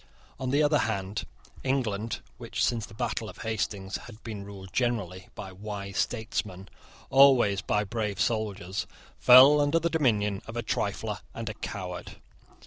On the other hand England, which, since the battle of Hastings, had been ruled generally by wise statesmen, always by brave soldiers, fell under the dominion of a trifler and a coward.